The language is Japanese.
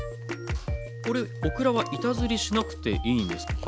これオクラは板ずりしなくていいんですか？